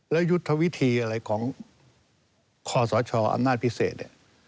แล้วยุทธวิธีอะไรของคศอำนาจพิเศษ